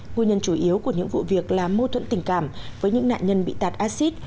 nguyên nhân chủ yếu của những vụ việc là mâu thuẫn tình cảm với những nạn nhân bị tạt acid